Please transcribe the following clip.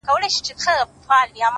پوهه د انسان ارزښت څو برابره کوي!.